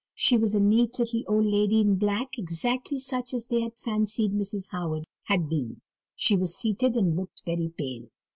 She was a neat little old lady in black, exactly such as they fancied Mrs. Howard had been. She was seated, and looked very pale.